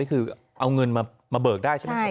คือเอาเงินมาเบิกได้ใช่ไหมครับ